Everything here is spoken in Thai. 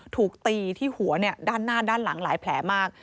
ถูกตีที่หัวด้านหน้าด้านหลังหลายแผลมาก